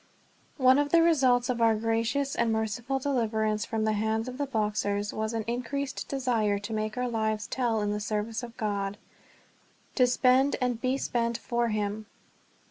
ONE of the results of our gracious and merciful deliverance from the hands of the Boxers was an increased desire to make our lives tell in the service of God to spend and be spent for him.